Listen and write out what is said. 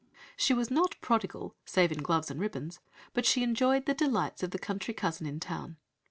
She was not "prodigal" save in gloves and ribbons but she enjoyed the delights of the country cousin in town.